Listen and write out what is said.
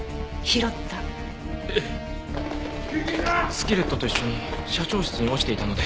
スキレットと一緒に社長室に落ちていたので。